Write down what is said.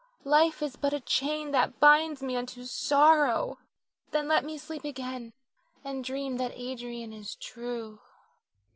Life is but a chain that binds me unto sorrow, then let me sleep again and dream that Adrian is true.